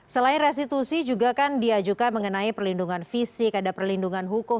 selain restitusi juga kan diajukan mengenai perlindungan fisik ada perlindungan hukum